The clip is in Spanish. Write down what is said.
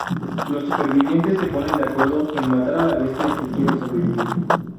Los supervivientes se ponen de acuerdo en matar a la bestia si quieren sobrevivir.